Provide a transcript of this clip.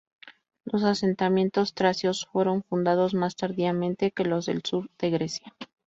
Los asentamientos tracios fueron fundados más tardíamente que los del sur de Grecia.